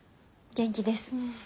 元気です。